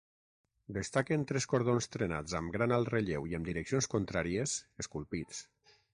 Destaquen tres cordons trenats amb gran alt relleu i amb direccions contràries esculpits.